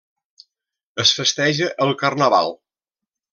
Es festeja el carnaval.